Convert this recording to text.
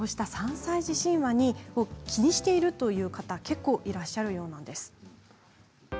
３歳児神話を気にしている方結構いらっしゃるようです。